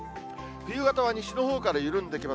冬型は西のほうから緩んできます。